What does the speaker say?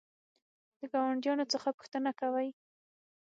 د ګاونډیانو څخه پوښتنه کوئ؟